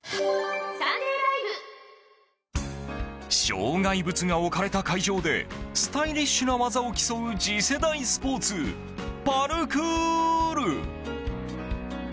障害物が置かれた会場でスタイリッシュな技を競う次世代スポーツ、パルクール。